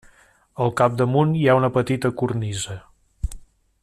Al capdamunt, hi ha una petita cornisa.